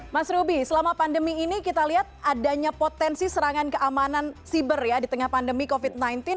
mas ruby selama pandemi ini kita lihat adanya potensi serangan keamanan siber ya di tengah pandemi covid sembilan belas